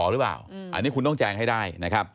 หรือเปล่าอันนี้คุณต้องแจงให้ได้นะครับ